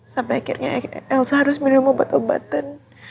sampai akhirnya elsa harus minum obat obatan